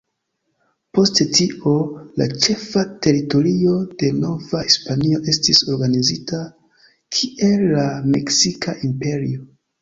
Post tio, la ĉefa teritorio de Nova Hispanio estis organizita kiel la Meksika Imperio.